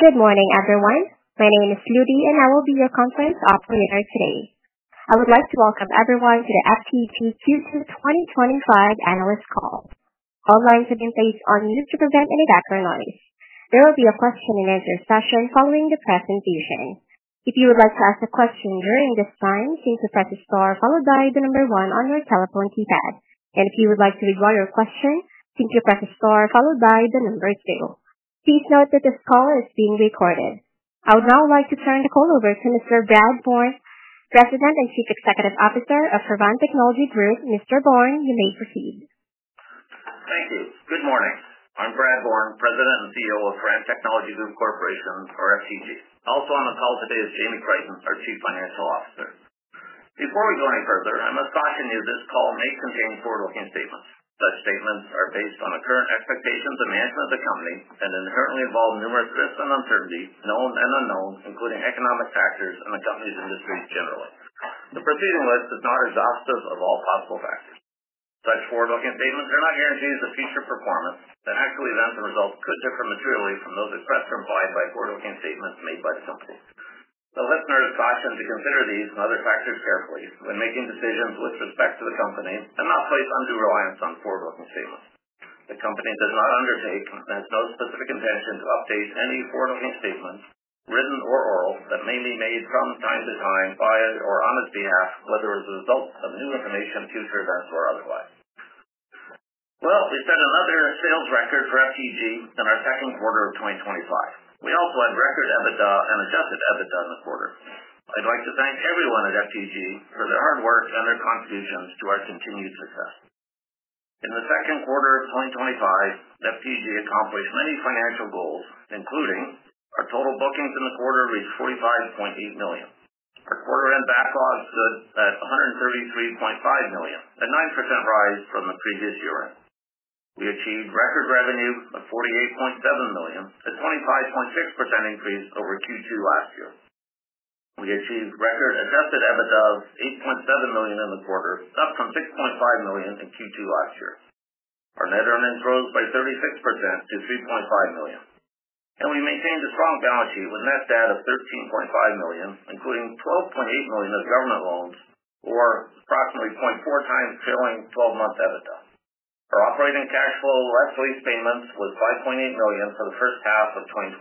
Good morning everyone. My name is Ludy and I will be your conference operator today. I would like to welcome everyone to the FTG Q2 2025 Analyst Call. All lines have been placed on mute to prevent any background noise. There will be a question and answer session following the presentation. If you would like to ask a question during this time, press star followed by the number one on your telephone keypad. If you would like to withdraw your question, press star followed by the number two. Please note that this call is being recorded. I would now like to turn the call over to Mr. Brad Bourne, President and Chief Executive Officer of Firan Technology Group. Mr. Bourne, you may proceed. Thank you. Good morning. I'm Brad Bourne, President and CEO of Firan Technology Group Corporation or FTG. Also on the call today is Jamie Crichton, our Chief Financial Officer. Before we go any further, I must caution you this call may contain forward-looking statements. Such statements are based on the current expectations of management of the company and inherently involve numerous risks and uncertainties known and unknown, including economic factors and the company's industries generally. The preceding list is not exhaustive of all possible factors. Such forward-looking statements are not guarantees of future performance and actual events or results could differ materially from those expressed or implied by forward-looking statements made by the company. The listeners are cautioned to consider these and other factors carefully when making decisions with respect to the company and not place undue reliance on forward-looking statements. The company does not undertake and has no specific intention to update any forward-looking statements, written or oral, that may be made from time to time by or on its behalf, whether as a result of new information, future events or otherwise. We set another sales record for FTG in our second quarter of 2025. We also had record EBITDA and adjusted EBITDA in the quarter. I'd like to thank everyone at FTG for their hard work and their contributions to our continued success. In the second quarter of 2025, FTG accomplished many financial goals, including our total bookings in the quarter reached 45.8 million. Our quarter end backlog stood at 133.5 million, a 9% rise from the previous year. We achieved record revenue of 48.7 million, a 25.6% increase over Q2 last year. We achieved record adjusted EBITDA of 8.7 million in the quarter, up from 6.5 million in Q2 last year. Our net earnings grew by 36% to 3.5 million and we maintained a strong balance sheet with net debt of 13.5 million including 12.8 million of government loans or approximately 0.4 times trailing 12-month EBITDA. Our operating cash flow less lease payments was 5.8 million for the first half of 2025.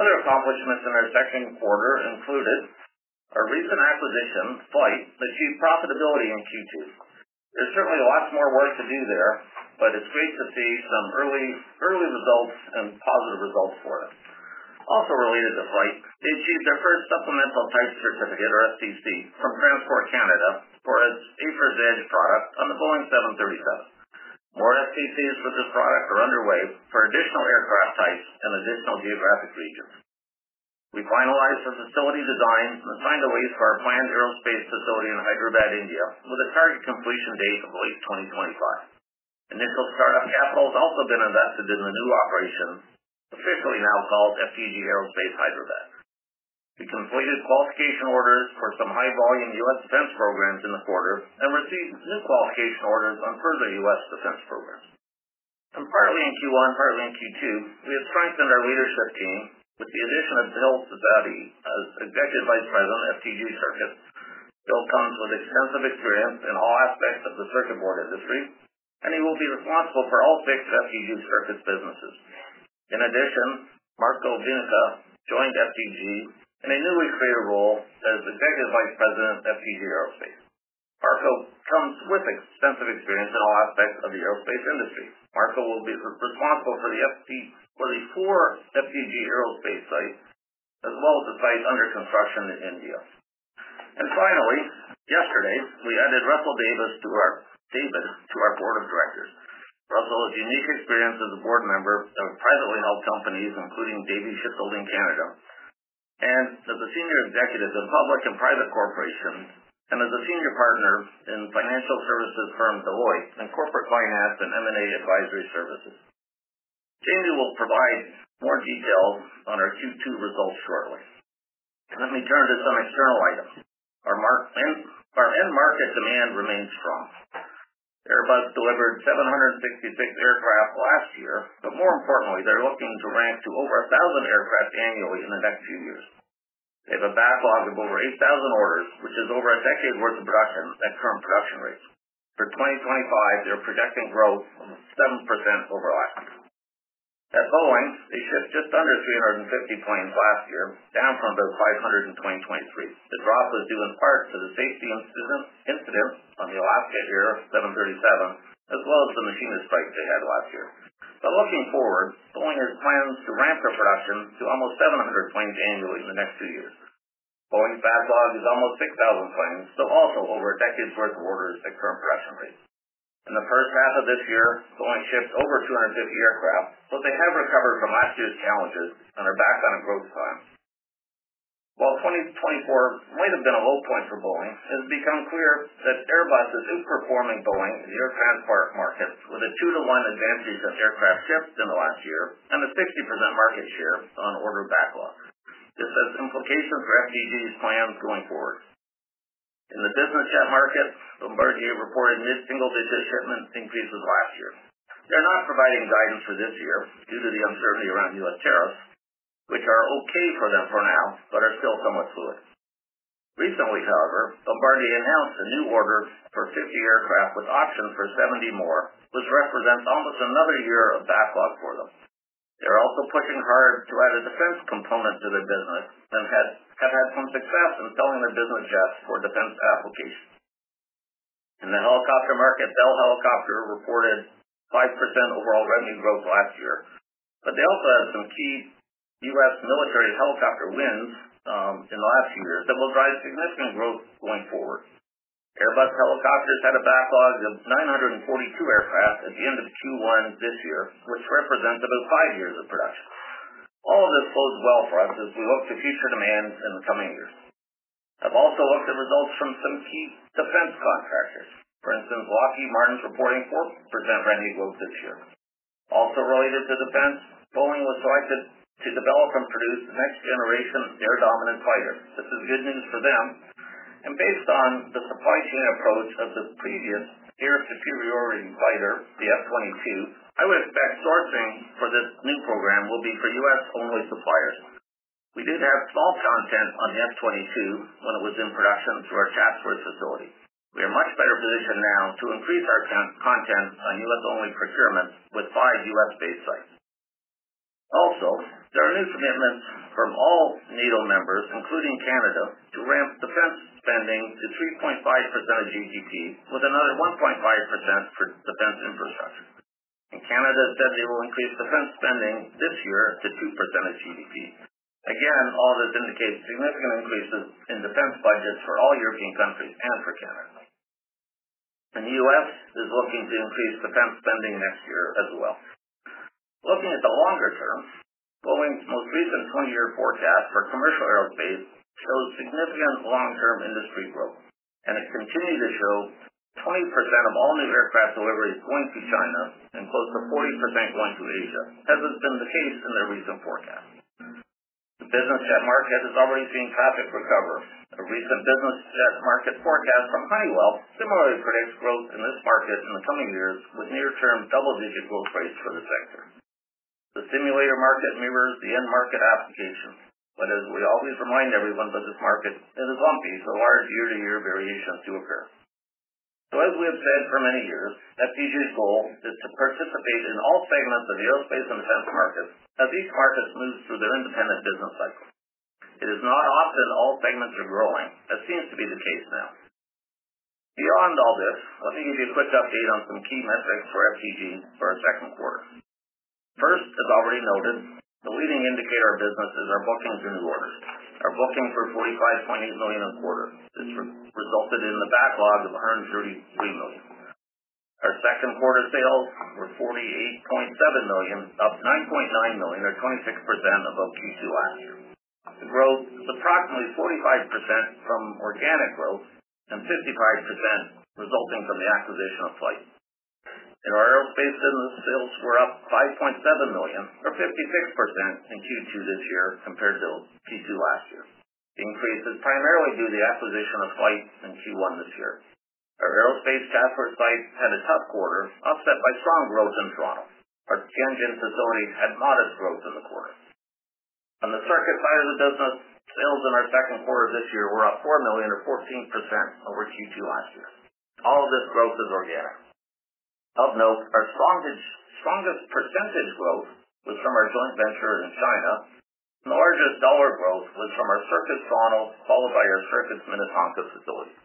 Other accomplishments in our second quarter included our recent acquisition FLYHT, which achieved profitability in Q2. There's certainly lots more work to do there, but it's great to see some early results and positive results for us. Also related to FLYHT, they achieved their first supplemental type certificate, or STC, from Transport Canada for its AFIRS Edge product on the Boeing 737. More STCs with this product are underway for additional aircraft sites and additional geographic features. We finalized facility design and time delays for our planned aerospace facility in Hyderabad, India, with a target completion date of late 2020. Initial startup capital has also been invested in the new operations, officially now called FTG Aerospace Hyderabad. We completed qualification orders for some high volume U.S. defense programs in the quarter and received new qualification orders on further U.S. defense programs, partly in Q1, partly in Q2. We have strengthened our leadership team with the addition of Bill Sezate as Executive Vice President, FTG Circuits. Bill comes with extensive experience in all aspects of the circuit board industry and he will be responsible for all six FTG Circuits businesses. In addition, Marko Viinikka joined FTG in a newly clear role as Executive Vice President, FTG Aerospace. Marko comes with extensive experience in all aspects of the aerospace industry. Marko will be responsible for the four FTG Aerospace sites as well as the site under construction in India. Finally, yesterday we added Russell David to our Board of Directors. Russell's unique experience as a board member of privately held companies including Davie Shipbuilding Canada and as a senior executive in public and private corporations and as a senior partner in financial services firm Deloitte and corporate client asset M&A advisory services. Jamie will provide more detail on our Q2 results shortly. Let me turn to some external items. Our end market demand remains strong. Airbus delivered 766 aircraft last year, but more importantly, they're looking to ramp to over 1,000 aircraft annually in the next few years. They have a backlog of over 8,000 orders, which is over a decade worth of production. At current production rates for 2025, they're projecting growth of 7% over last. At Boeing, they shipped just under 350 planes last year, down from about 500 in 2023. The drop was due in part to the safety incident on the Alaska Air 737 as well as the machinist strike they had last year. Looking forward, Boeing plans to ramp the production to almost 700 planes annually in the next two years. Boeing's backlog is almost 6,000 planes, so also over a decade's worth of orders at current production rates. In the first half of this year, Boeing ships over 250 aircraft, but they have recovered from last year's challenges and are back on growth times. While 2024 might have been a low point for Boeing, it has become clear that Airbus is outperforming Boeing in the European part market with the two to one advantage that aircraft shift in the last year and the 60% market share on order backlog. This has implications for FTG's plans going forward. In the business jet market, Bombardier reported new single digit shipment increases last year. They're not providing guidance for this year due to the uncertainty around U.S. tariffs, which are okay for them for now but are still somewhat fluid. Recently however, Bombardier announced a new order for 50 aircraft with options for 70 more, which represents almost another year of backlog for them. They're also pushing hard to add a defense component to the business and have had some success in selling the business jets for defense applications. In the helicopter market, Bell Helicopter reported 5% overall revenue growth last year, but they also had some key U.S. military helicopter wins in the last few years that will drive significant growth going forward. Airbus Helicopters had a backlog of 942 aircraft at the end of Q2 this year which represent about five years of production. All this bodes well for us as we look to future demands in the coming years. I've also looked at results from some key defense contractors. For instance, Lockheed Martin's reporting 4% increases this year. Also related to defense, Boeing was selected to develop and produce next-generation air dominant fighters. This is good news for them and based on the supply chain approach of the previous air superiority fighter, the F-22, I would expect sourcing for the new program will be for U.S. only suppliers. We did have small content on the F-22 when it was in production through our Chatsworth facility. We are much better positioned now to increase our content on U.S. only procurement with five U.S. based sites. Also, there are new commitments from all NATO members including Canada to ramp defense spending to 3.5% of GDP with another 1.5% for defense infrastructure. Canada said they will increase defense spending this year to 2% of GDP. Again, all this indicates significant increases in defense budgets for all European countries and for Canada, and the U.S. is looking to increase defense spending next year as well. Looking at the longer term, Boeing's most recent 20-year forecast for commercial aerospace shows significant long-term industry growth, and it's continuing to show 20% of all new aircraft delivery is going to China and close to 40% going to Asia. As has been the case in their recent forecast, the business jet market is already seeing traffic recover. A recent business jet market forecast from Honeywell similarly predicts growth in this market in the coming years with near-term double-digit growth rates for the sector. The simulator market mirrors the end market applications, but as we always remind everyone that this market is lumpy, so large year-to-year variations do occur. As we have said for many years, FTG's goal is to participate in all segments of aerospace and defense markets. As these markets move through their independent business cycles, it is not often all segments are growing. That seems to be the case now. Beyond all this, let me give you a quick update on some key metrics for FTG for the second quarter. First, as already noted, the leading indicator of our business is our bookings or new orders. Our bookings were 45.8 million in the quarter. This resulted in a backlog of 133 million. Our second quarter sales were 48.7 million, up 9.9 million or 26% over Q2 last year. Growth is approximately 45% from organic growth and 55% resulting from the acquisition of FLYHT. In our Aerospace business, sales were up 5.7 million or 56% in Q2 this year compared to Q2 last year. The increase was primarily due to the acquisition of FLYHT. Since Q1 this year, our Aerospace Chatsworth site had a tough quarter offset by strong growth in Toronto. Our Tianjin facility had modest growth in the quarter on the Circuits side of the business. Sales in our second quarter this year were up 4 million or 14% over Q2 last year. All this growth is organic. Of note, our strongest percentage growth is from our joint venture in China. The largest dollar growth was from our Circuits Toronto, followed by our Circuits Minnetonka facilities.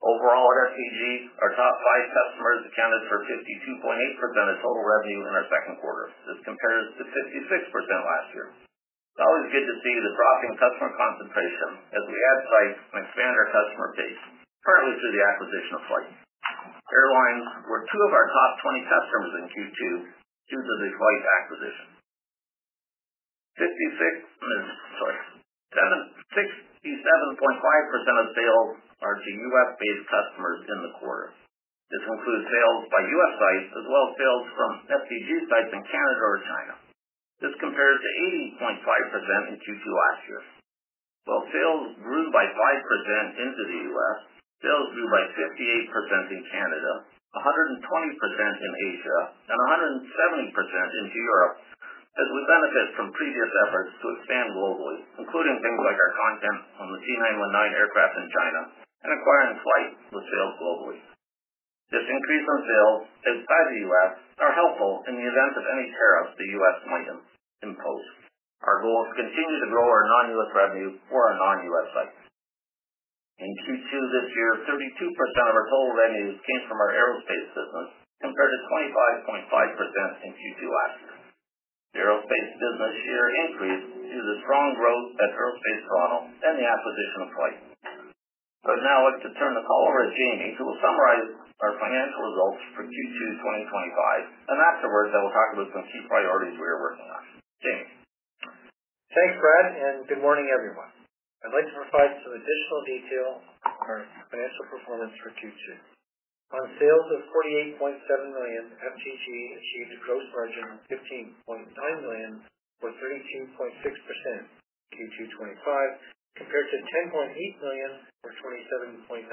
Overall at FTG, our top five customers accounted for 52.8% of total revenue in our second quarter as compared to 56% last year. It's always good to see the drop in customer concentration as we add price and expand our customer base partly through the acquisition of FLYHT. Airlines were two of our top 20 customers in Q2 due to the FLYHT acquisition. 67.5% of sales are to U.S.-based customers in the quarter. This includes sales by U.S. sites as well as sales from FTG sites in Canada or China. This compares to 80.5% in Q2 last year. While sales grew by 5% into the U.S., sales grew by 58% in Canada, 120% in Asia, and 170% into Europe. As we benefit from previous efforts to expand globally, including things like our content on the C919 aircraft in China and acquiring FLYHT, with sales globally, this increase of sales outside the U.S. is helpful in the event of any tariffs the U.S. might impose. Our goal continues to be to grow our non-U.S. revenues. For our non-U.S. sites in Q2 this year, 32% of our total revenues came from our Aerospace business compared to 25.5% in Q2 last year. The Aerospace business share increased due to the strong growth at Aerospace Toronto and the acquisition of FLYHT. I would now like to turn the call over to Jamie, who will summarize our financial results for Q2 2025, and afterwards I will talk about some key priorities we are working on. Jamie? Thanks Brad and good morning everyone. I'd like to provide some additional detail our financial performance for Q2 on sales of 48.7 million FTG achieved a gross margin of 15.9 million or 32.6% in Q2 2025 compared to 10.8 million or 27.9%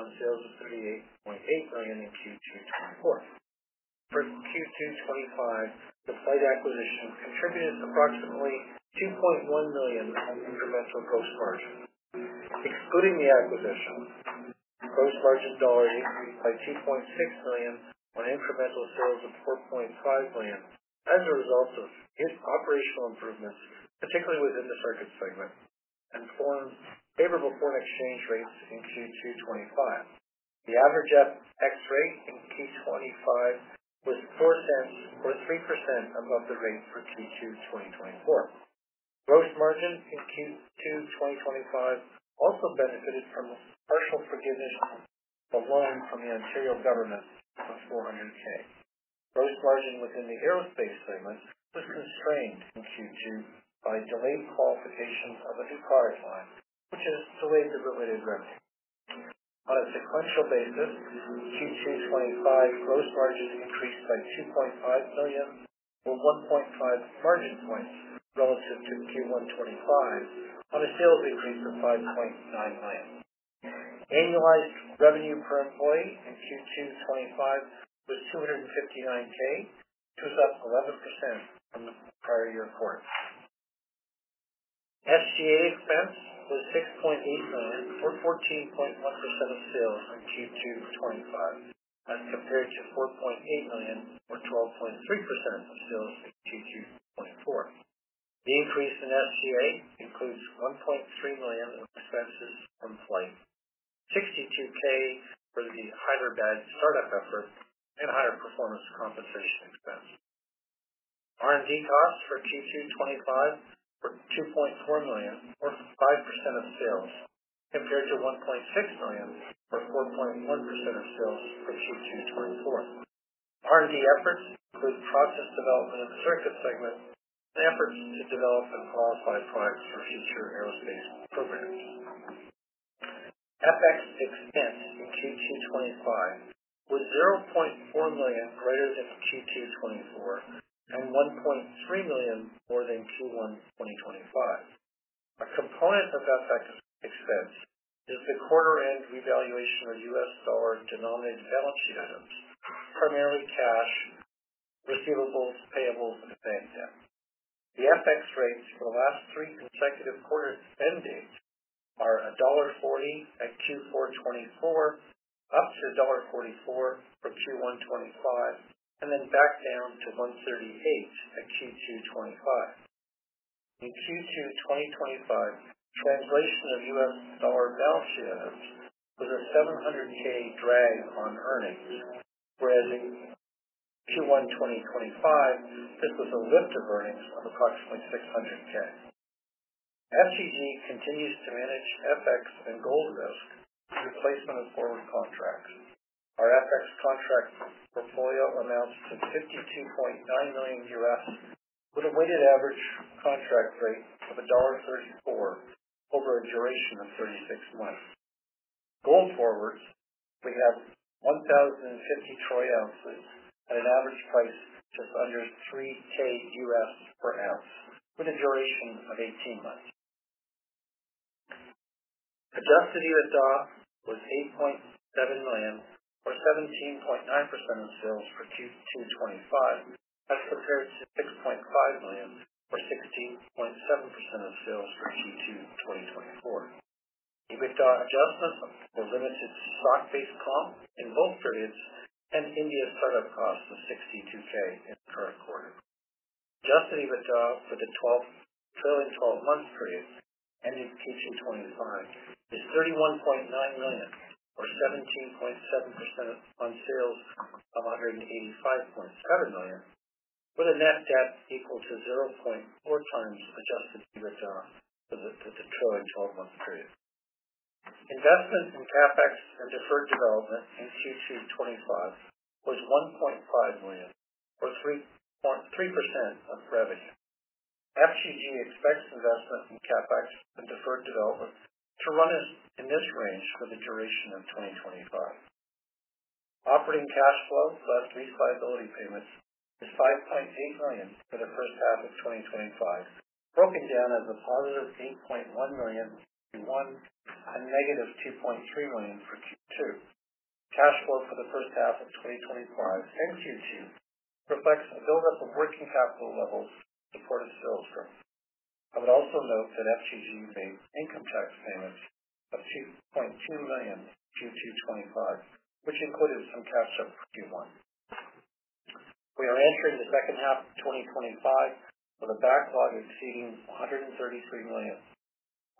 on sales of 38.8 million in Q2 2024 for Q2 2025 the FLYHT acquisitions contributed approximately 2.1 million on incremental gross margin excluding the acquisition gross margin dollars increased by 2.6 million dollar when incremental sales of 4.5 million. As a result of this operational improvement particularly within the Circuits segment and formed favorable foreign exchange rates in Q2 2025, the average FX rate in Q2 2025 was 0.04 or 3% above the rate for Q2 2024. Gross margin in Q2 2025 also benefited from partial forgiveness for loans on the Ontario government of 400,000 gross margin within the Aerospace segment, was constrained in Q2 by delayed qualifications of a new product line which has delayed the related revenue on a sequential basis. Q2 2025 gross margin increased by 2.5 million or 1.5 margin points relative to Q1 2025 on a sales increase of 5.9 million. Annualized revenue per employee as of Q2 2025 with CAD 259,000 is up 11% from prior year quarter. SG&A expense was 6.8 million. Or 14.1% of sales. Q2 2025 as compared to 4.8 million or 12.3% of sales in Q2 2024, the increase in SG&A includes 1.3 million of expenses from FLYHT 62,000 for the Hyderabad start-up efforts and higher performance compensation expense. R&D costs for Q2 2025 2.4 million or 5% of sales compared to 1.6 million or 4.1% of sales in Q2 2024. R&D efforts with process development of Circuits segment and efforts to develop and qualify products for future aerospace program. FX expense to Q2 2025 was 0.4 million greater than Q2 2024 and 1.3 million more than Q1 2025. A component of FX expense is the quarter-end revaluation of U.S. dollar denominated balance sheet items, primarily cash, receivables, payable and bank debt. The FX rates for the last three consecutive quarters end dates are dollar 1.40 at Q4 2024, up to dollar 1.44 for Q1 2025, and then back down to 1.38 at Q2 2025. In Q2 2025, translation of U.S. dollar balance sheet items was a 700,000 drag on earnings. Whereas in Q1 2025, this was a lift of earnings of approximately 600,000. FTG continues to manage FX and gold risk in replacement of forward contracts. Our FX contract portfolio amounts to $52.9 million with a weighted average contract rate of dollar 1.34 over a duration of 36 months going forward. They have 1,050 troy ounces at an average price that's under $3,000 per ounce. With a duration of 18 months. Adjusted EBITDA was 8.7 million or 17.9% of growth for Q2 2025 compared to 6.5 million or 16.7% of sales for Q2 2024. EBITDA adjustments were. Limited to stock-based comp in both periods and India start-up costs of 62,000 in the current quarter adjusted EBITDA for the trailing 12-month period ending Q2 2025 to 31.9 million or 17.7% on sales of. 185.7 million with a net Debt equal to 0.4 times adjusted EBITDA for the trailing 12-month period. Investment in CapEx. Deferred development in Q2 2025 Was 1.5 million or 3% of revenue. FTG expects investments in CapEx with deferred developers to run in this range for the duration of 2025. Operating cash flow less lease liability payments is 5.8 million for the first half of 2025, broken down as a +8.1 million in Q1 and -CAD 2.3 million for Q2. Cash flow for the first half of 2025 and Q2 reflects the buildup of working capital levels, supported sales growth. I would also note that FTG made income tax payments of CAD 2.2 million in Q2 2025 which included some catch-up for Q1. We are entering the second half of. 2025 with a backlog of exceeding 133 million.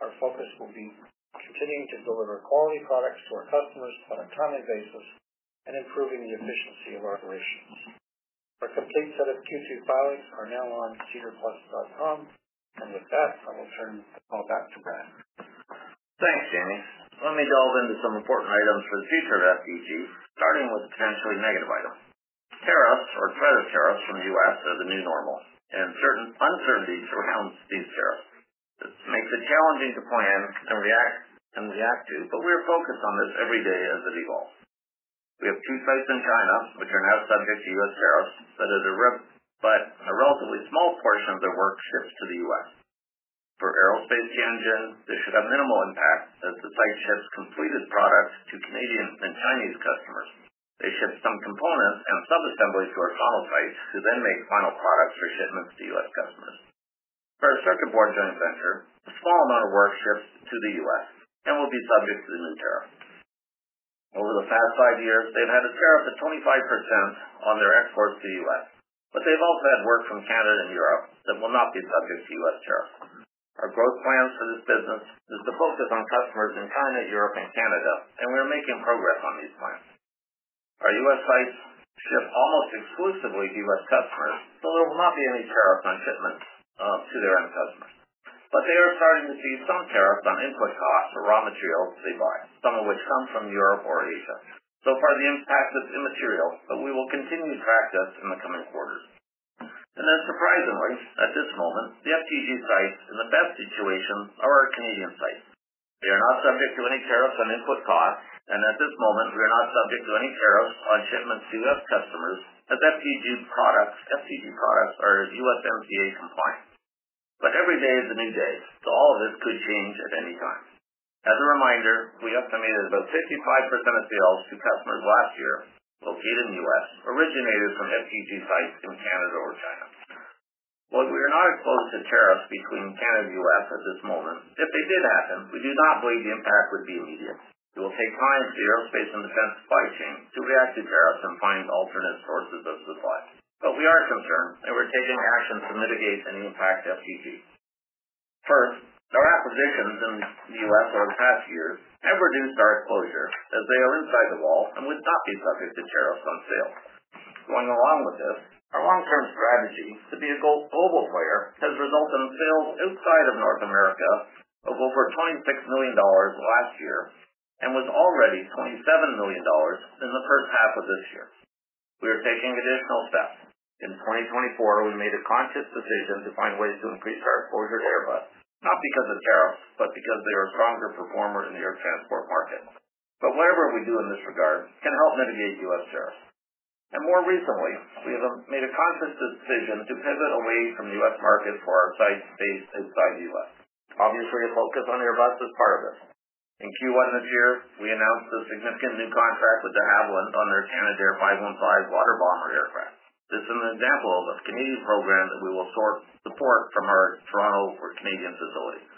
Our focus will be continuing to deliver quality products to our customers on a timely basis and improving the efficiency of our operations. Our complete set of Q2 filings are now on sedarplus.com and with that I will turn the call back to Brad. Let me delve into some important items for the future of FTG, starting with potentially negative items. Tariffs or threat of tariffs from the U.S. are the new normal and certain uncertainties surround these tariffs. This makes it challenging to plan and react to, but we are focused on this every day as it evolves. We have two sites in China which are now subject to U.S. tariffs that are on but a relatively small portion of their work ships to the U.S. for Aerospace Tianjin should have minimal impact as the site ships completed products to Canadian and Chinese customers. They ship some components and subassemblies to our solid sites who then make final products for shipments to the U.S. Government. For a circuit board joint venture, a small amount of work ships to the U.S. and will be subject to the new tariff. Over the past five years they've had a tariff of 25% on their exports to the U.S., but they've also had work from Canada and Europe that will not be subject to U.S. tariff. Our growth plans for this business are to focus on customers in China, Europe, and Canada, and we are making progress on these plans. Our U.S. sites ship almost exclusively to U.S. customers, so there will not be any tariffs on shipments to their investments, but they are starting to receive some tariffs on input costs for raw material they buy, some of which come from Europe or Asia. So far the impact is immaterial, but we will continue to monitor this in the coming quarters. At this moment the FTG sites in the best situation are our Canadian sites. We are not subject to any tariffs on input costs and at this moment we are not subject to any tariffs on shipments to U.S. customers as FTG products. FTG products are USMCA compliant, but every day is a new day so all of this could change at any time. As a reminder, we estimated about 55% of sales to customers last year located in the U.S. originated from FTG sites in Canada or China. While we are not close to tariffs between Canada and the U.S. at this moment, if they did happen, we do not believe the impact would be immediate. It will take time for the aerospace and defense supply chain to react to tariffs and find alternate sources of supply. We are concerned and we're taking actions to mitigate any impact. FTG first, our acquisitions in the U.S. over the past year have reduced our exposure as they are inside the wall and would not be subject to tariffs on sale. Going along with this, our long-term strategy to be a global player has resulted in sales inside of North America of over 26 million dollars last year and was already 27 million dollars in the first half of this year. We are taking a difficult step. In 2024 we made a conscious decision to find ways to increase our exposure to Airbus, not because of tariffs, but because they are stronger performers in European transport markets. Whatever we do in this regard can help mitigate U.S. tariffs. More recently we have made a conscious decision to pivot away from the U.S. markets for our sites outside the U.S. Obviously, a focus on Airbus is part of this. In Q1 this year we announced a significant new contract with De Havilland on their Canadair 515 water bomber aircraft. This is an example of a Canadian program that we will support from our Toronto or Canadian facilities.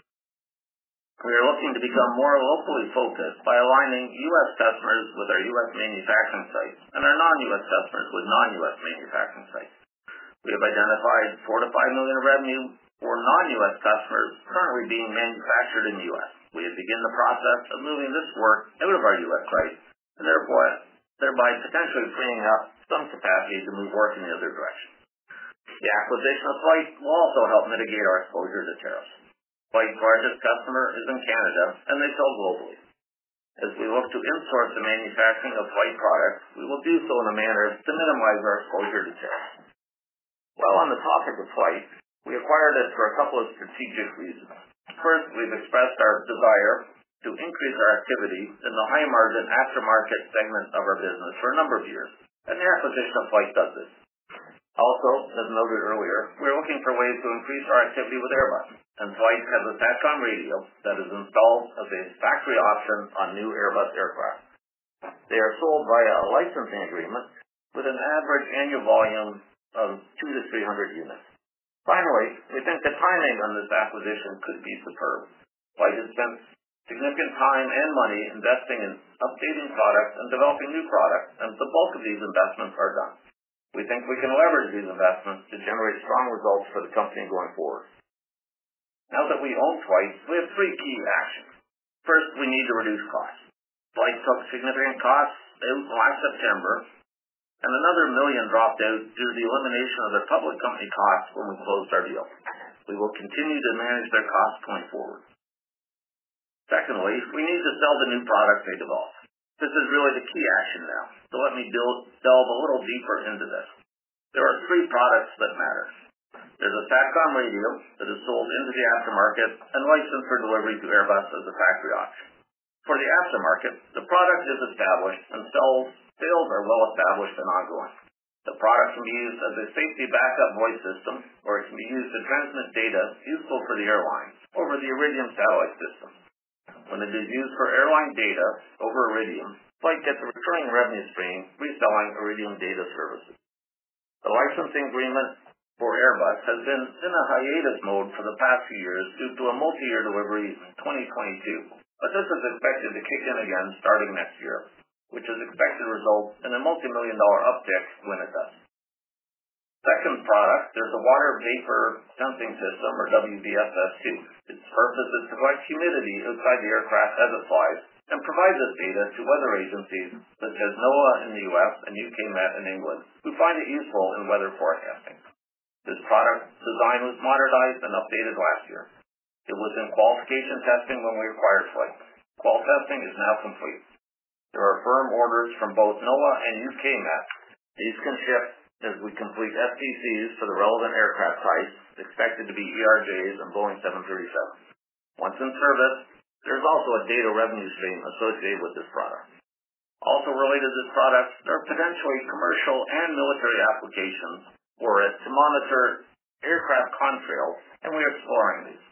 We are looking to become more locally focused by aligning U.S. customers with our U.S. manufacturing sites and our non-U.S. customers with non-U.S. manufacturing sites. We have identified 4 million-5 million of revenue for non-U.S. customers currently being manufactured in the U.S. We have begun the process of moving this work out of our U.S. sites, thereby potentially freeing up some capacity to move work in the other direction. The acquisition of FLYHT will also help mitigate our exposure to tariffs. FLYHT's largest customer is in Canada and they sell globally. As we look to in-source the manufacturing of FLYHT products, we will do so in a manner to minimize our exposure to tariffs. While on the topic of FLYHT, we acquired it for a couple of strategic reasons. First, we've expressed our desire to increase our activity in the high-margin aftermarket segment of our business for a number of years and the acquisition of FLYHT does this. Also, as noted earlier, we're looking for ways to increase our activity with Airbus and FLYHT has a satcom radio that is installed as a factory option on new Airbus aircraft. They are sold via a licensing agreement with an average annual volume of 200-300 units. Finally, we think the timing on this acquisition could be superb. FLYHT has spent significant time and money investing in updating products and developing new products and the bulk of these investments are done. We think we can leverage these investments to generate strong results for the company going forward now that we own FLYHT. We have three key actions. First, we need to reduce costs. FLYHT took significant costs out last September and another 1 million dropped out due to the elimination of their public company costs when we closed our deal. We will continue to manage their costs going forward. Secondly, we need to sell the new products they develop. This is really the key action now. Let me delve a little deeper into this. There are three products that matter. There's a SATCOM radio that is sold into the aftermarket and licensed for delivery to Airbus as a factory option for the aftermarket. The product is established and sales are well established. The product can be used as a safety backup voice system or it can be used to transmit data useful for the airline over the Iridium satellite system. When it is used for airline data over Iridium, FLYHT gets a recurring revenue stream reselling Iridium data services. The licensing agreement for Airbus has been in a hiatus mode for the past few years due to a multi-year delivery in 2022, but this is expected to kick in again starting next year, which is expected to result in a multimillion dollar uptick when it does. The second product is the Water Vapor Sensing System or WVSS-II. Its purpose is to provide humidity data outside the aircraft as it flies and provides this data to weather agencies such as NOAA in the U.S. and UK Met in England. We find it useful in weather forecasting. This product design was modernized and updated last year. It was in qualification testing when we acquired FLYHT. Testing is now complete. There are firm orders from both NOAA and UK Met. These can shift as we complete STCs for the relevant aircraft, price expected to be ERJ and Boeing 737 once in service. There's also a data revenue stream associated with this product. Also related to products, there are potentially commercial and military applications for it to monitor aircraft contrails and we are exploring these.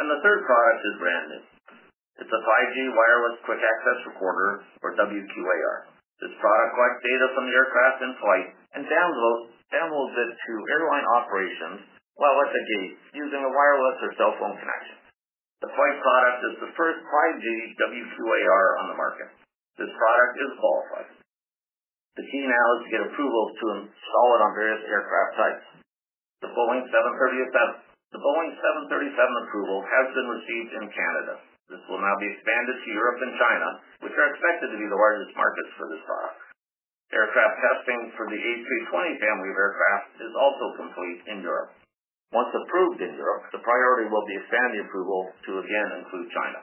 The third product is brand new. It's a 5G Wireless Quick Access Recorder or WQAR. This product collects data from the aircraft in flight and downloads it to airline operations while at the gate using a wireless or cell phone connection. The FLYHT product is the first 5G WQAR on the market. This product is qualified and the team announced to get approval to install it on various aircraft types. The Boeing 737 approval has been received in Canada. This will now be expanded to Europe and China, which are expected to be the largest markets for this product. Aircraft testing for the A320 family of aircraft is also complete in Europe. Once approved in Europe, the priority will be to expand the approval to again include China.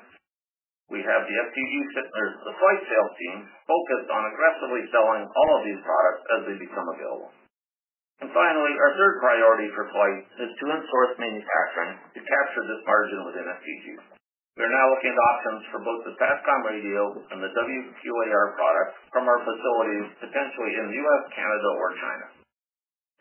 We have the FLYHT sales team focused on aggressively selling all of these products as they become available. Finally, our third priority for FLYHT is to enforce manufacturing to capture this margin with FTG. We are now looking at options for both the SATCOM radio and the WQAR products from our facilities, potentially in the U.S., Canada, or China.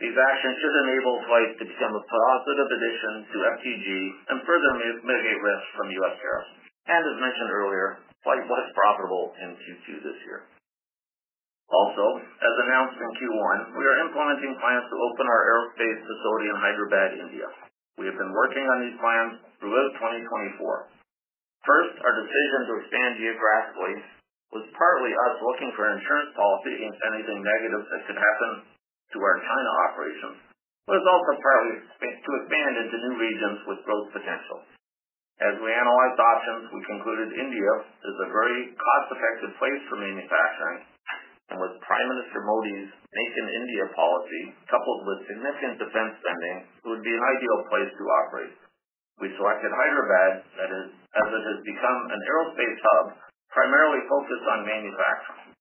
These actions should enable FLYHT to become a positive addition to FTG and further mitigate risk from U.S. tarrifs. As mentioned earlier, FLYHT was profitable in Q2 this year. Also, as announced in Q1, we are implementing plans to open our aerospace facility in Hyderabad, India. We have been working on these plans throughout 2024. First, our decision to expand geographically was partly us looking for an insurance policy against anything negative that should happen to our China operations, but it's also partly to expand into new regions with growth potential. As we analyzed options, we concluded India is a very cost-effective place for manufacturing, and with Prime Minister Modi's "Make in India" policy coupled with significant defense spending, it would be an ideal place to operate. We selected Hyderabad as it has become an aerospace hub primarily focused on manufacturing.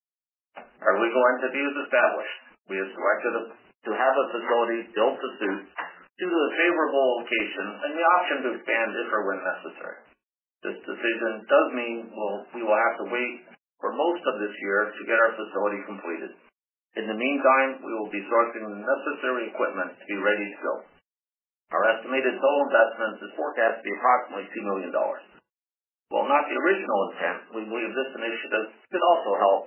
Our legal entity is established. We have selected to have a facility build-to-suit due to a favorable location and the options of going different when necessary. This decision does mean we will have to wait for most of this year to get our facility completed. In the meantime, we will be sourcing the necessary equipment to be ready to go. Our estimated total investment is forecast to be approximately 9 million dollars. While not the original intent, we believe this initiative could also help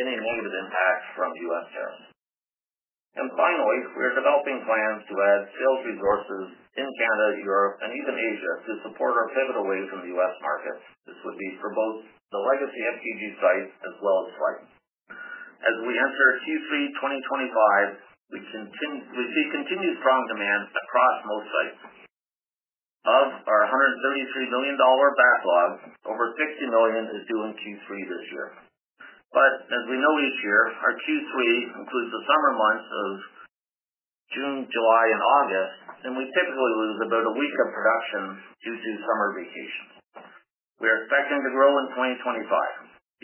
any negative impact from U.S. terms. Finally, we are developing plans to add sales resources in Canada, Europe, and even Asia to support our pivotal waves in the U.S. markets. This would be for both the legacy FTG sites as well as FLYHT. As we enter Q3 2025, we see continued strong demand across most sites. Of our 133 million dollar backlog, over 60 million is due in Q3 this year. As we know, each year our Q3 includes the summer months of June, July, and August, and we typically lose about a week of production due to summer vacations. We're expecting to grow in 2025. The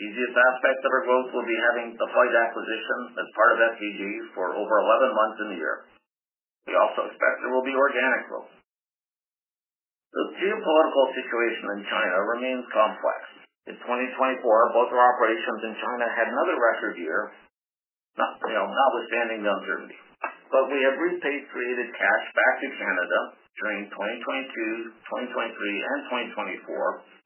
easiest aspect of our growth will be having the FLYHT acquisitions as part of FTG for over 11 months in the year. We also expect there will be organic growth. The geopolitical situation in China remains complex. In 2024, both of our operations in China had another record year notwithstanding the unevenness, but we have repatriated cash back to Canada during 2022, 2023, and 2024,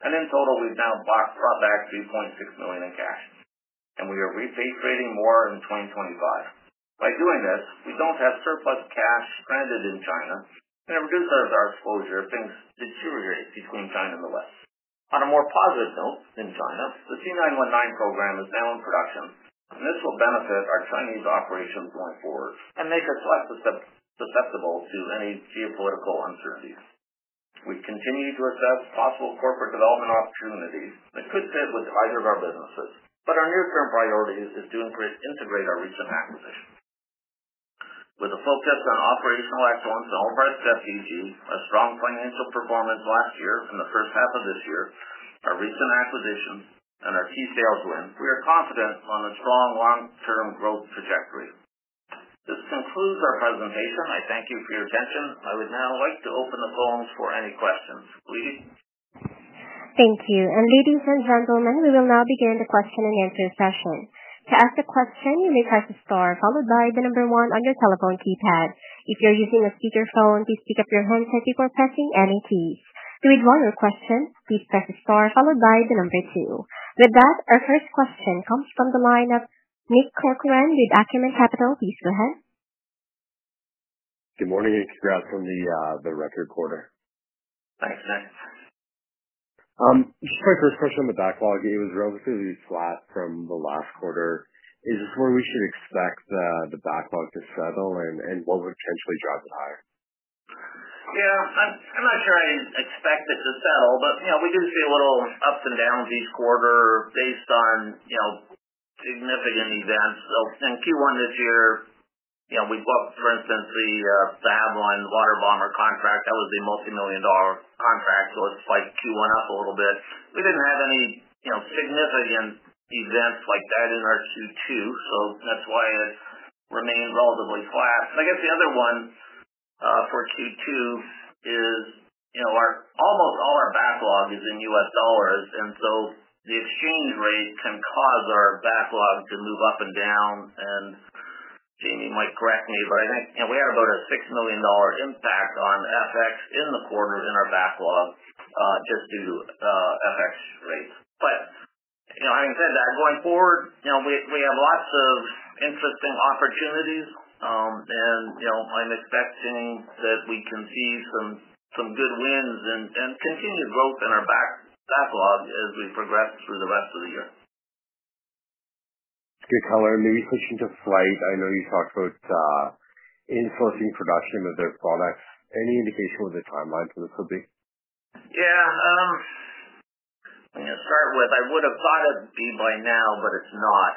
and in total we've now brought back 2.6 million in cash, and we are repatriating more in 2025. By doing this, we don't have surplus cash stranded in China and reduce our exposure if things deteriorate between China and the West. On a more positive note, in China the C919 program is now in production, and this will benefit our Chinese operations going forward and make us less susceptible to any geopolitical uncertainties. We continue to address possible corporate development opportunities that could fit with either of our businesses. Our near-term priority is to integrate our recent acquisitions with a focus on operational excellence and all of our debt, issuing a strong financial performance last year. In the first half of this year, our recent acquisitions and our key sales win. We are confident on a strong long-term growth trajectory. This concludes our presentation. I thank you for your attention. I would now like to open the phones for any questions. Thank you, ladies and gentlemen. We will now begin the question and answer session. To ask a question, you may press the star followed by the number one on your telephone keypad. If you're using a speakerphone, please pick up your handset before pressing any keys. To withdraw your question, please press star followed by the number two. With that, our first question comes from the line of Nick Corcoran with Acumen Capital. Please go ahead. Good morning and congrats on the record quarter. Thanks, Nick. My first question on the backlog, it was relatively flat from the last quarter. Is this where we should expect the backlog to settle and what would potentially drive it higher? I'm not sure I expect it to settle, but we do see a little ups and downs each quarter based on significant events. In Q1 this year, for instance, we got the De Havilland water bomber contract. That was the multimillion dollar contract, so Q1 was up a little bit. We didn't have any significant events like that in our Q2, so that's why it remained relatively flat. The other one for Q2 is almost all our backlog is in U.S. dollars, and the exchange rate can cause our backlog to move up and down. Jamie might correct me, but I think we had about a 6 million dollar impact on FX in the quarter in our backlog just due to FX rates. Having said that, going forward, we have lots of interesting opportunities and I'm expecting that we can see some good wins and continued growth in our backlog as we progress through the rest of the year. Good color, maybe switching to FLYHT. I know you talked about in-person production of their products. Any indication what the timeline for this would be? I would have thought it'd be by now, but it's not.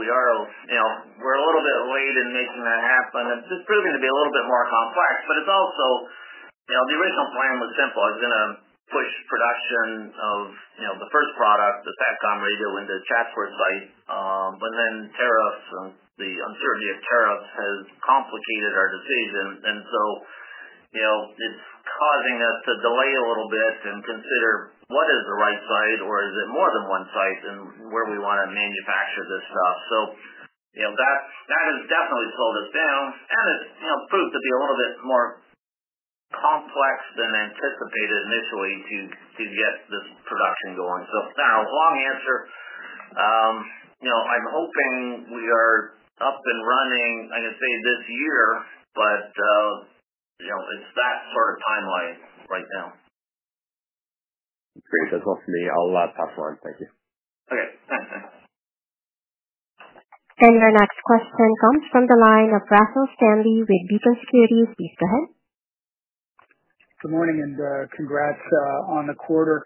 We are a little bit late in making that happen. It's proving to be a little bit more complex. The original plan was simple. I was going to push production of the first product, the SATCOM radio into the Chatsworth site, but then tariffs, the uncertainty of tariffs, have complicated our decision. It's causing us to delay a little bit and consider what is the right site or is it more than one site and where we want to manufacture this stuff. That has definitely slowed us down and it's proved to be a little bit more complex than anticipated initially to get this production going. Long answer. I'm hoping we are up and running, I can say this year, but it's that sort of timeline right now. Great. And hopefully a lot tougher on. Thank you. Your next question comes from the line of Russell Stanley with Beacon Securities. Good morning and congrats on the quarter.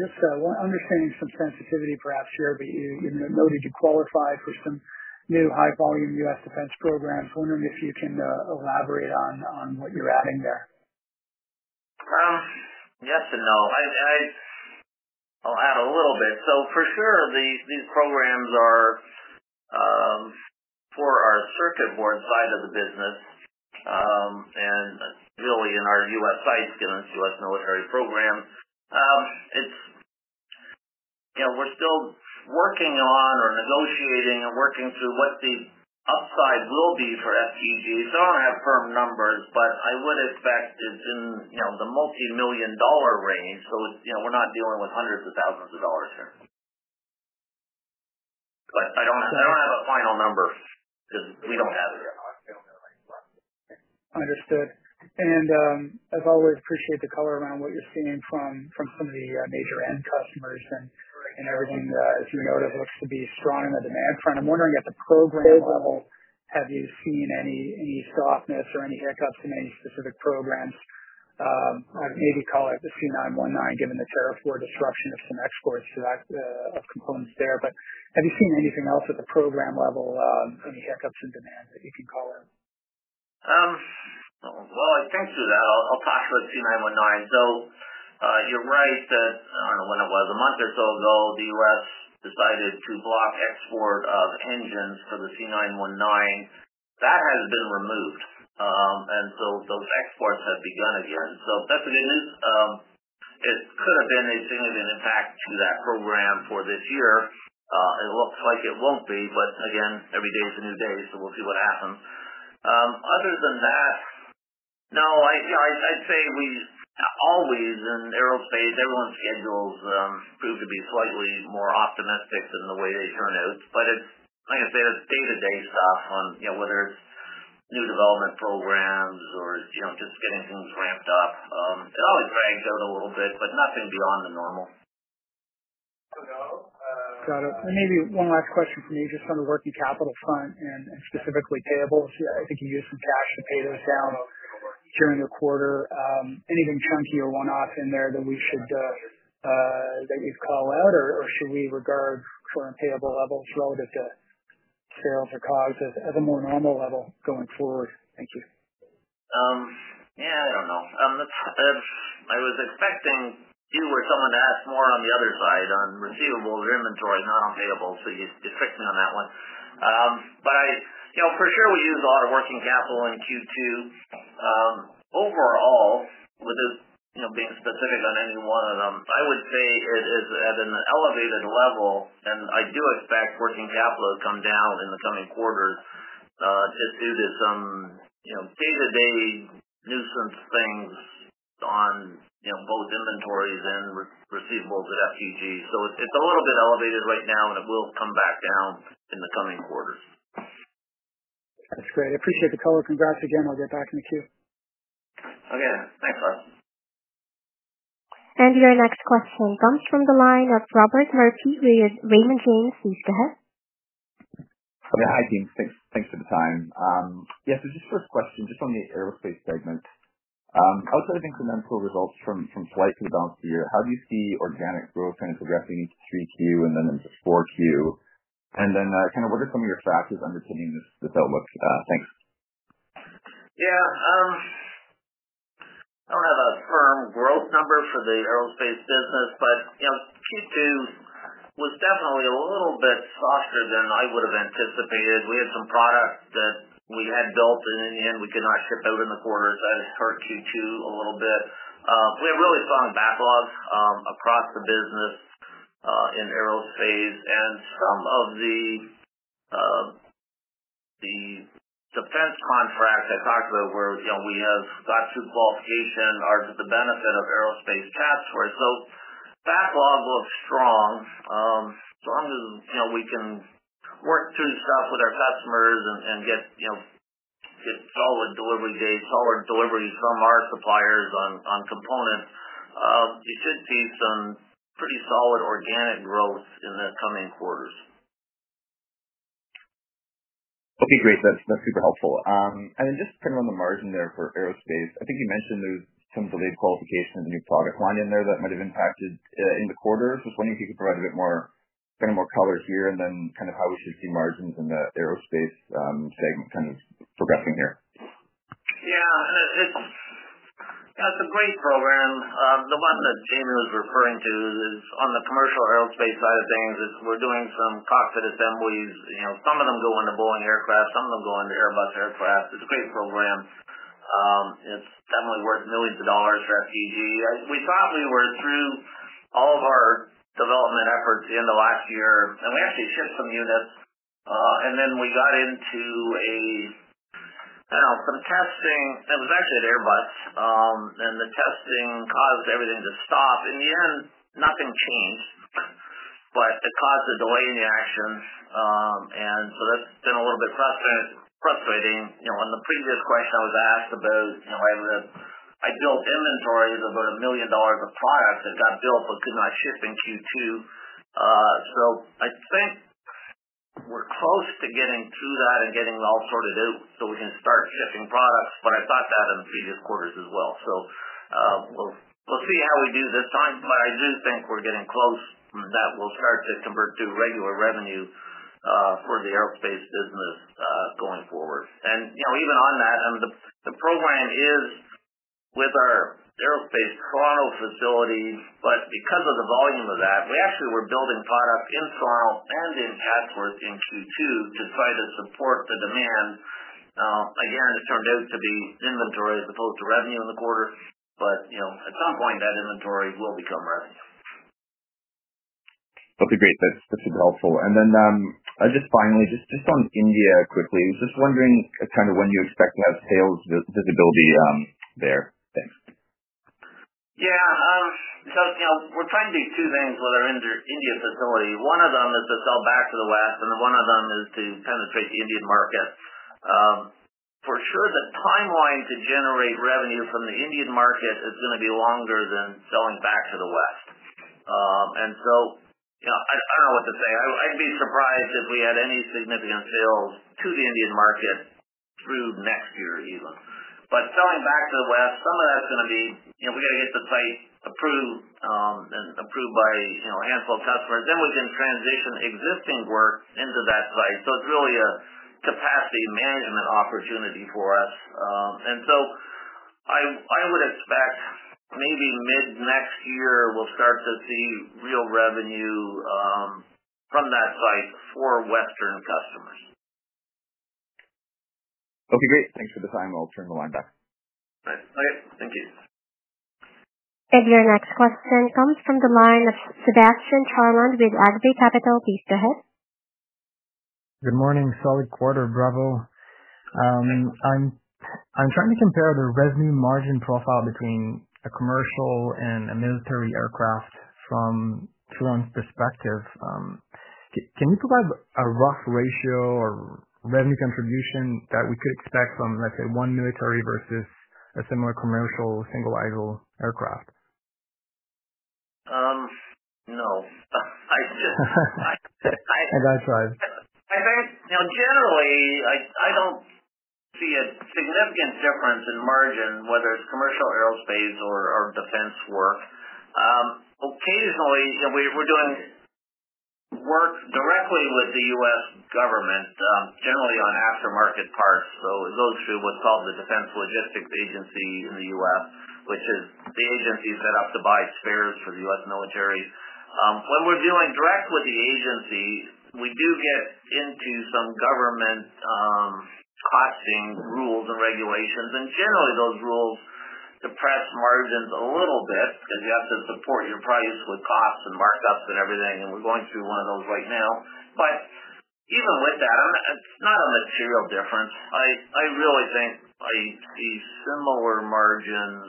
Just understanding some sensitivity perhaps here, but you know that you qualify for some new high volume U.S. defense programs. Wondering if you can elaborate on what you're adding there? Yes and no. I'll add a little bit. For sure these new programs are for our printed circuit board side of the business and really in our U.S. side skills, U.S. military program. We're still working on or negotiating and working through what the upside will be for FTG. I don't have firm numbers but I would expect it's in the multimillion dollar range. We're not dealing with hundreds of thousands of dollars here. I don't have a final number because we don't have it. Understood. As always, appreciate the color around what you're seeing from some of the major end customers. Everything, as you noted, looks to be stronger than before. I'm wondering at the program level, have you seen any softness or any haircuts in any specific programs? I maybe call it the C919 given the tariff where disruptions of some exports of components there. Have you seen anything else at the program level, any hiccups in demand that you could call out? Thanks to that, I'll talk about C919. You're right that I don't know when it was, a month or so ago, the U.S. decided to block export of engines for the C919. That has been removed, and those exports have begun again. That's what it is. It could have been a significant impact to that program for this year. It looks like it won't be. Every day is a new day, so we'll see what happens. Other than that, no, I'd say we always, in aerospace, everyone's schedules prove to be slightly more optimistic in the way they turn out. Like I said, it's day-to-day stuff on whether it's new development programs or just getting things ramped up. It always drags out a little bit, but nothing beyond the normal. Got it. Maybe one last question for me. Just on the working capital fund and specifically payables, I think you used some cash to pay those down during the quarter. Anything chunky or one-off in there that we should call out, or should we regard foreign payable levels relative to sales or COGS as the more normal level going forward? Thank you. Yeah, I don't know, I was expecting you or someone to ask more on the other side on receivables or inventory not on payables. You fix me on that one. I, you know, for sure we used a lot of working capital in Q2 overall with this, you know, being specific. On any one of them, I would say it is at an elevated level and I do expect working capital to come down in the coming quarters just due to some, you know, day-to-day nuisance things on both inventories and receivables at FTG. It's a little bit elevated right now and it will come back down in the coming quarters. That's great. If we can get the color, congrats again. I'll get back in the queue. Okay, thanks Russell. Your next question comes from the line of Robert Murphy. Raymond James please go ahead. Okay. Hi team. Thanks for the time. Yeah. First question just on the. Aerospace segment, outside of incremental results from FLYHT balanced year, how do you see organic growth kind of progressing into Q3 and then into Q4 and then what are some of your factors underpinning this outlook? Thanks. Yeah, I don't have a firm growth number for the Aerospace business, but Q2 was definitely a little bit softer than I would have anticipated. We had some product that we had built and we could not ship out in the quarter. That just hurt Q2 a little bit. We have really strong backlogs across the business in aerospace. Some of the defense contracts I talked about where we have got through qualification are the benefit of Aerospace Chatsworth where its backlog looks strong. As long as we can work through stuff with our customers and get solid delivery dates, solid deliveries from our suppliers on components, you should see some pretty solid organic growth in the coming quarters. Okay, great, that's super helpful. Just to turn around the margin there for Aerospace, I think you mentioned there's some delayed qualifications, new product line in there that might have impacted in the quarters. I was wondering if you could provide a bit more color here and then how we should see margins in the aerospace segment progressing here. Yeah, it's a great program. The one that Jamie was referring to is on the commercial aerospace side of things. We're doing some cockpit assemblies. Some of them go into Boeing aircraft, some of them go into Airbus aircraft. It's a great program. It's definitely worth millions of dollars for FTG. We probably were through all of our development efforts in the last year and we actually shipped some units and then we got into testing. It was actually an Airbus and the testing caused everything to stop. In the end, nothing changed, but it caused the delay in the actions. That's been a little bit frustrating. On the previous question I was asked about, I built inventory of about 1 million dollars of products that got built but could not ship in Q2. I think we're close to getting through that and getting all sorted out so we can start shipping products. I thought that in previous quarters as well. We'll see how we do this time. I do think we're getting close. That will start to convert to regular revenue for the aerospace business going forward. Even on that, the program is with our Aerospace Toronto facility. Because of the volume of that, we actually were building product in Toronto and in Chatsworth in Q2 to try to support the demand. It turned out to be inventory as opposed to revenue in the quarter. At some point that inventory will become less. Okay, great, that's helpful. Finally, just on India quickly, just wondering kind of when you expect to have sales visibility there. Thanks. We're trying to do two things with our India facility. One of them is to sell back to the West and one of them is to penetrate the Indian market. For sure, the timeline to generate revenue from the Indian market is going to be longer than selling back to the West. I don't know what to say. I'd be surprised if we had any significant sales to the Indian market through next year even. Selling back to the West, some of that's going to be we got to get the site approved and approved by a handful of customers, then we can transition existing work into that site. It's really a capacity management opportunity for us. I would expect maybe mid next year we'll start to see real revenue from that site for Western customers. Okay, great. Thanks for the time. I'll turn the line back. Okay, thank you. Your next question comes from the line of [Sebastian Charland] with [Agbay] Capital. Please go ahead. Good morning. Solid quarter. Bravo. I'm trying to compare the revenue margin profile between a commercial and a military aircraft. From Firan's perspective, can you provide a rough ratio or revenue contribution that we could expect from, let's say, one military versus a similar commercial single-aisle aircraft? No. I tried. I think now, generally I don't see a significant difference in margin whether it's commercial aerospace or defense work. Occasionally we're doing work directly with the U.S. Government generally on aftermarket parts. It goes through what's called the Defense Logistics Agency in the U.S., which is the agency set up to buy spares for the U.S. Military. When we're dealing direct with the agency, we do get into some government costing rules and regulations. Generally those rules depress margins a little bit because you have to support your price with costs and markups and everything. We're going through one of those right now. Even with that, it's not a material difference. I really think I see similar margins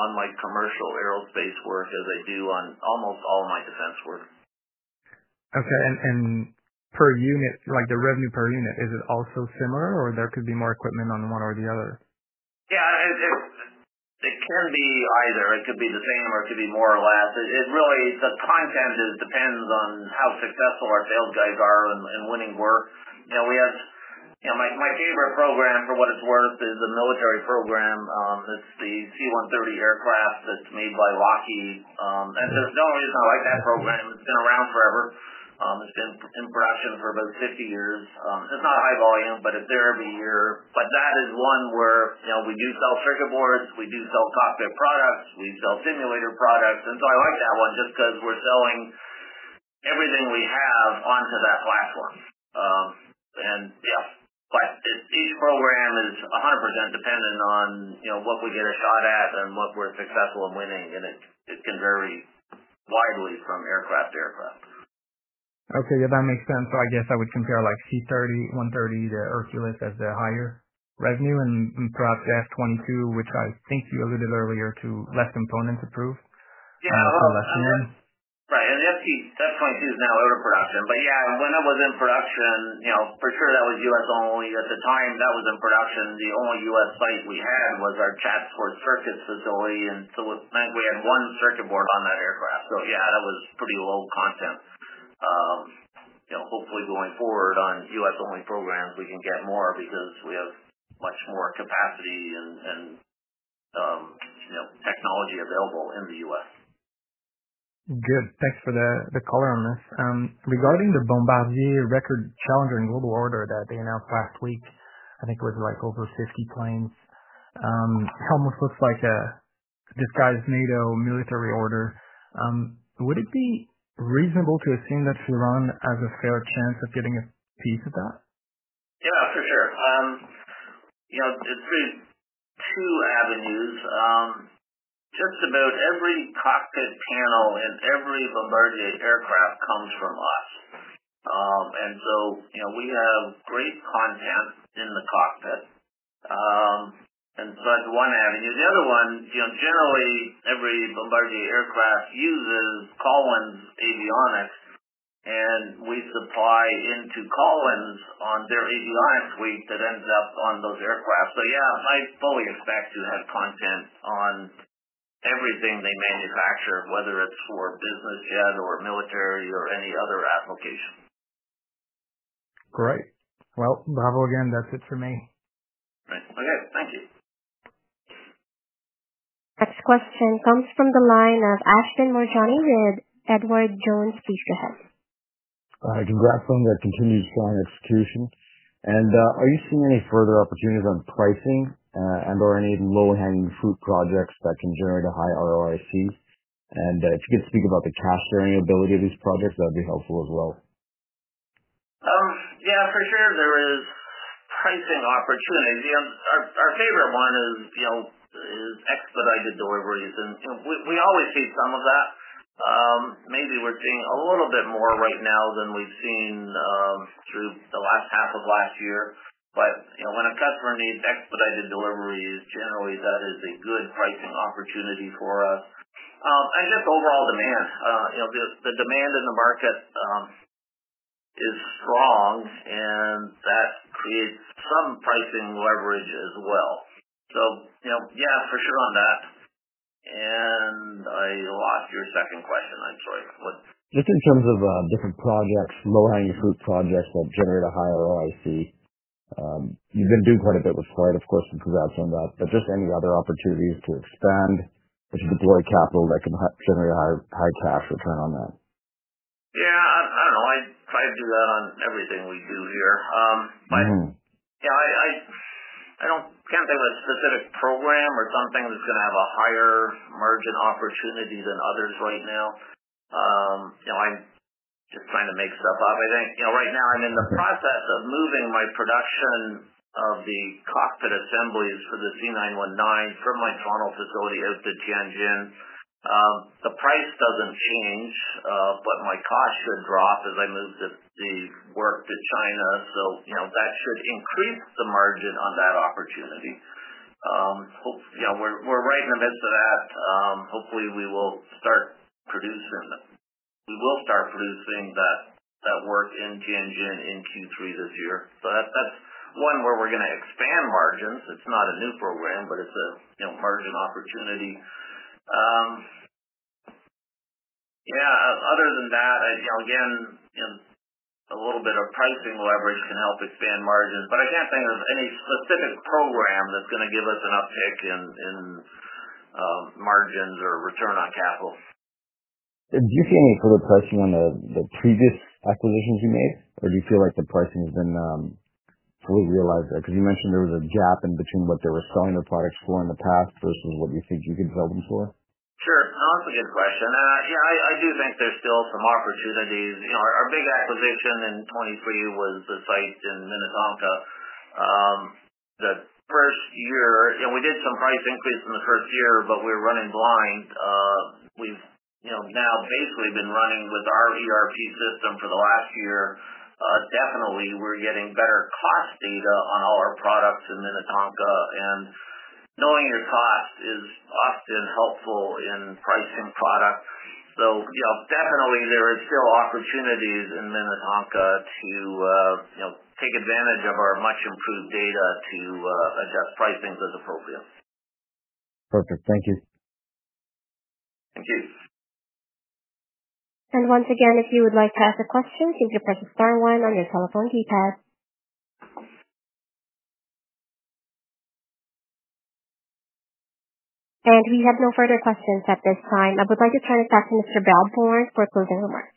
on my commercial aerospace work as I do on almost all of my defense work. Okay, and per unit, like the revenue per unit, is it also similar, or there could be more equipment on one or the other? Yeah, it can be either. It could be the same or it could be more or less. It really, the content depends on how successful our sales guys are in winning work. You know, my favorite program, for what it's worth, is a military program. It's the C-130 aircraft that's made by Lockheed. There's no reason I like that program. It's been around forever. It's been in production for about 50 years. It's not high volume, but it's there every year. That is one where we do sell printed circuit boards, we do sell illuminated cockpit products, we sell simulator products. I like that one just because we're selling everything we have onto that platform. Yes, each program is 100% dependent on what we get a shot at and what we're successful in winning. It can vary widely from aircraft to aircraft. Okay, yeah, that makes sense. I guess I would compare like C-130 to Hercules as the higher revenue. Perhaps the F-22, which I think you alluded earlier to, less components approved. Right. That's why I think it's now out of production. Yeah, when it was in production, for sure that was U.S. only. At the time that was in production, the only U.S. bodies we had was our Chatsworth Circuits facility, and we had one circuit board on that aircraft. That was pretty low content. Hopefully, going forward on U.S.-only programs, we can get more because we have much more capacity and technology available in the U.S. Good. Thanks for the color on this. Regarding the Bombardier record challenging global order that they announced last week, I think it was like over 50 planes. It almost looks like a disguised NATO military order. Would it be reasonable to assume that Firan has a fair chance of getting a piece of that? For sure. You know, it's two avenues. Just about every cockpit panel in every Bombardier aircraft comes from us, and so you know, we have great content in the cockpit and that's one avenue. The other one, you know, generally every Bombardier aircraft uses Collins Avionics and we supply into Collins on their avionics suite that ends up on those aircraft. Yeah, I fully expects to have content on everything they manufacture, whether it's for business, jet or military or any other application. Great. Bravo again. That's it for me. Okay, thank you. Next question comes from the line of Ashvin Moorjani at Edward Jones, please go ahead. Congrats on the continued strong execution. Are you seeing any further opportunities On pricing? And or any low-hanging fruit projects that can generate a high ROIC? If you could speak about the cash sharing ability of these projects, that would be helpful as well. Yeah, for sure there is pricing opportunities. Our favorite one is expedited deliveries, and we always see some of that. Maybe we're seeing a little bit more right now than we've seen through the last half of last year. When a customer needs expedited deliveries, generally that is a good pricing opportunity for us. Just overall demand, the demand in the market is strong, and that creates some pricing leverage as well. For sure on that. I lost your second question. I'm sorry, what? Just in terms of different projects, low-hanging fruit projects will generate a higher ROIC. You've been doing quite a bit with FLYHT, of course, to possess on that, but just any other opportunities to expand, to deploy capital that can generate a high, high cash return on that. Yeah, I don't know. I try to do that on everything we do here, but I can't think of a specific program or something that's going to have a higher margin opportunity than others. Right now I'm just trying to make stuff up. I think right now I'm in the process of moving my production of the cockpit assemblies for the C919 from my Toronto facility out to Tianjin. The price doesn't change, but my cost should drop as I move this work to China. That should increase the margin on that opportunity. We're right in the midst of that. Hopefully we will start producing that work in Tianjin in Q3 this year. That's one where we're going to expand margins. It's not a new program, but it's a margin opportunity. Other than that, again, a little bit of pricing leverage can help expand margins, but I can't think of any specific program that's going to give us an uptick in margins or return on capital. Do you see any further pressure on. The previous acquisitions you made or do. You feel like the pricing has been. Fully realized there because you mentioned there. Was a gap in between what they were selling their products for in the past versus what you think you could sell them for? Sure, that's a good question. Yeah, I do think there's still some opportunities. You know, our big acquisition in 2023 was the site in Minnetonka the first year and we did some price increase in the first year, but we were running blind. We've now basically been running with our ERP system for the last year. Definitely we're getting better cost data on all our products in Minnetonka. Knowing your cost is often helpful in pricing product, though definitely there are still opportunities in Minnetonka to take advantage of our much improved data to adjust pricing as appropriate. Perfect, thank you. If you would like to ask a question, please press the star one on your telephone keypad. We have no further questions at this time. I would like to turn it back to Mr. Brad Bourne for closing remarks.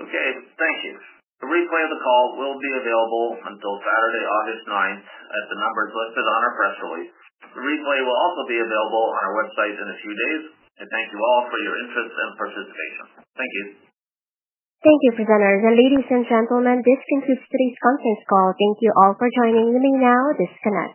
Okay, thank you. A replay of the call will be available until Saturday, August 9. The numbers are listed on our press release. Replay will also be available on our website in a few days. Thank you all for your interest and participation. Thank you. Thank you, presenters and ladies and gentlemen. This concludes today's conference call. Thank you all for joining me. You may now disconnect.